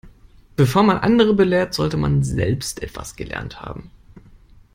Bevor man andere belehrt, sollte man selbst etwas gelernt haben.